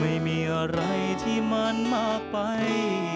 ไม่มีอะไรที่มันมากไป